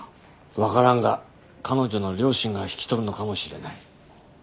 分からんが彼女の両親が引き取るのかもしれない。